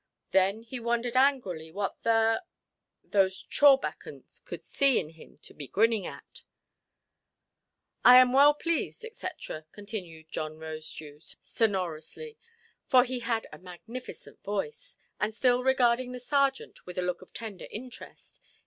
Then he wondered angrily what the——those chawbacons could see in him to be grinning at. "I am well pleased", &c., continued John Rosedew, sonorously; for he had a magnificent voice, and still regarding the sergeant with a look of tender interest.